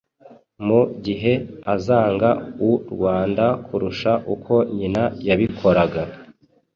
mu gihe azanga u Rwanda kurusha uko nyina yabikoraga.